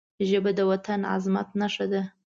ژبه د وطن د عظمت نښه ده